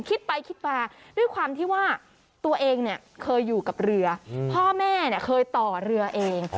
คิดไปคิดมาด้วยความที่ว่าตัวเองเนี่ยเคยอยู่กับเรือพ่อแม่เนี่ยเคยต่อเรือเอง